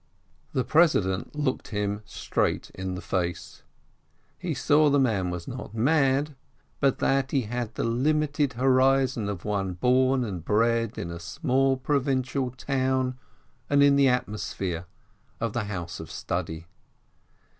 The president looked him straight in the face: he saw the man was not mad, but that he had the limited horizon of one born and bred in a small provincial town and in the atmosphere of the house of study.